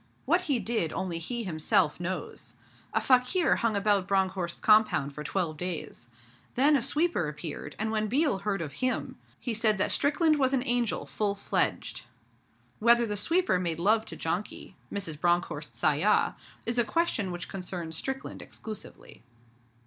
What he did only he himself knows. A fakir hung about Bronckhorst's compound for twelve days. Then a sweeper appeared, and when Biel heard of him, he said that Strickland was an angel full fledged. Whether the sweeper made love to Janki, Mrs. Bronckhorst's ayah, is a question which concerns Strickland exclusively.